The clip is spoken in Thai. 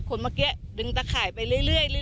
คนเมื่อกี้ดึงตะข่ายไปเรื่อย